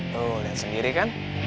tuh lihat sendiri kan